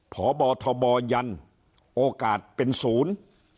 พบทบยันโอกาสเป็นศูนย์